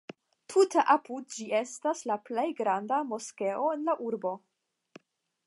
Tute apud ĝi estas la plej granda moskeo en la urbo.